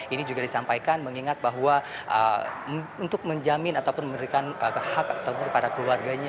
ini juga disampaikan mengingat bahwa untuk menjamin ataupun memberikan hak ataupun kepada keluarganya